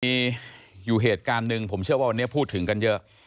มีอยู่เหตุการณ์หนึ่งผมเชื่อว่าวันนี้พูดถึงกันเยอะ